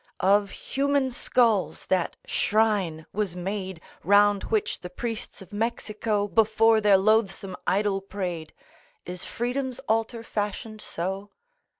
Of human skulls that shrine was made, Round which the priests of Mexico Before their loathsome idol prayed; Is Freedom's altar fashioned so?